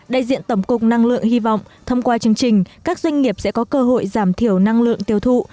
đại diện tổng cục năng lượng hy vọng thông qua chương trình các doanh nghiệp sẽ có cơ hội giảm thiểu năng lượng tiêu thụ